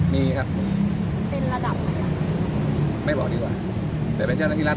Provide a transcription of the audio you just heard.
มีครับเป็นระดับอะไรหรอไม่บอกดีกว่าเดี๋ยวไปเจ้าหน้าที่รัฐ